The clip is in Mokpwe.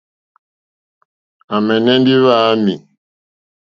À mɛ̀nɛ́ ndí wàámì.